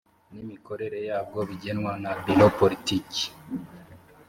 n imikorere yabwo bigenwa na biro politiki